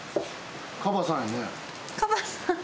カバさんやね。